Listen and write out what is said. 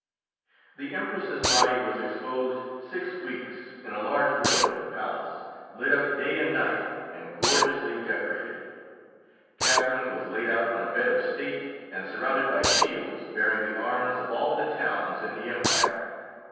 The Empress's body was exposed six weeks in a large room at the palace, lit up day and night and gorgeously decorated. Catherine was laid out on a bed of state and surrounded by shields bearing the arms of all the towns in the empire.